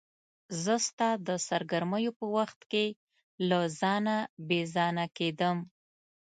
زه ستا د سرګرمیو په وخت کې له ځانه بې ځانه کېدم.